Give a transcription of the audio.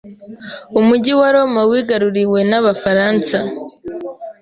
Umujyi wa Roma wigaruriwe n’Abafaransa,